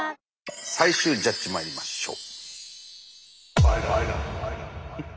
最終ジャッジまいりましょう。